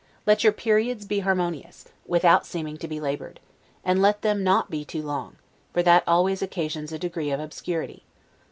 Let your periods be harmonious, without seeming to be labored; and let them not be too long, for that always occasions a degree of obscurity.